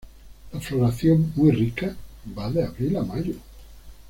La floración, muy rica, va de abril a mayo.